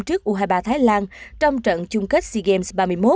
trước u hai mươi ba thái lan trong trận chung kết sea games ba mươi một